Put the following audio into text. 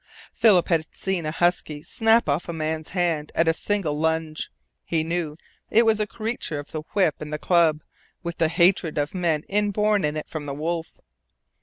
Philip had seen a husky snap off a man's hand at a single lunge; he knew it was a creature of the whip and the club, with the hatred of men inborn in it from the wolf.